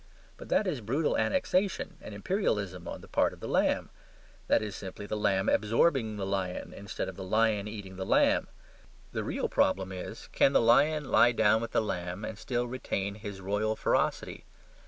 But that is brutal annexation and imperialism on the part of the lamb. That is simply the lamb absorbing the lion instead of the lion eating the lamb. The real problem is Can the lion lie down with the lamb and still retain his royal ferocity?